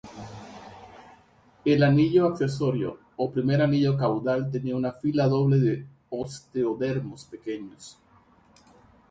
El anillo accesorio, o primer anillo caudal tenía una fila doble de osteodermos pequeños.